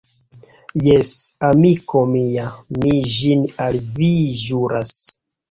Jes, amiko mia, mi ĝin al vi ĵuras.